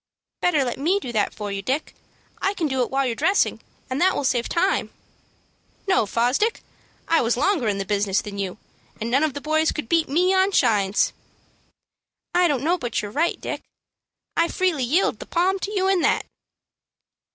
"Better let me do that for you, Dick. I can do it while you're dressing, and that will save time." "No, Fosdick, I was longer in the business than you, and none of the boys could beat me on shines." "I don't know but you're right, Dick. I freely yield the palm to you in that."